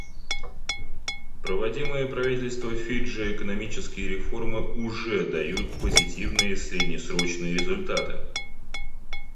Проводимые правительство Фиджи экономические реформы уже дают позитивные среднесрочные результаты.